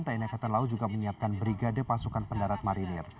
tni angkatan laut juga menyiapkan brigade pasukan pendarat marinir